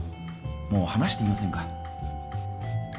もう話してみませんか？